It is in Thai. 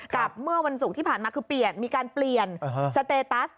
กับเมื่อวันศุกร์ที่ผ่านมาคือมีการเปลี่ยนสเตตัส